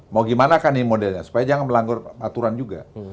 mau gimana kan ini modelnya supaya jangan melanggar aturan juga